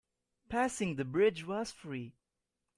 Passing the bridge was free.